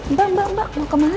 mbak mbak mau kemana